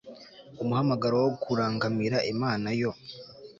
umuhamagaro wo kurangamira Imana yo